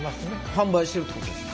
販売してるってことですよね？